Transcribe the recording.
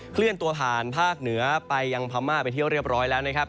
เคลื่อนตัวผ่านภาคเหนือไปยังพม่าไปเที่ยวเรียบร้อยแล้วนะครับ